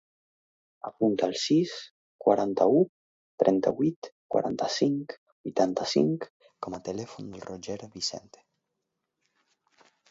Apunta el sis, quaranta-u, trenta-vuit, quaranta-cinc, vuitanta-cinc com a telèfon del Roger Vicente.